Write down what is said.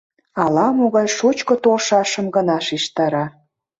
Ала-могай шучко толшашым гына шижтара.